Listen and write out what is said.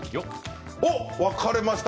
分かれました。